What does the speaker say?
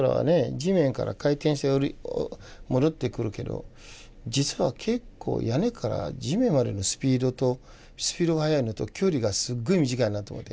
地面から回転して戻ってくるけど実は結構屋根から地面までのスピードが速いのと距離がすっごい短いなと思って。